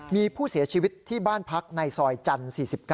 มีผู้เสียชีวิตที่บ้านพักในซอยจันทร์๔๙